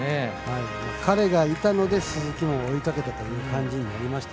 彼がいたので鈴木も追いかけたという感じになりました。